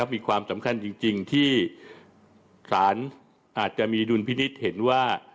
มีความสำคัญจริงที่ศาลอาจจะมีดุลพินิษฐ์เห็นว่า